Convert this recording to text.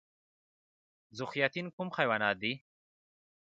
ذوحیاتین کوم حیوانات دي؟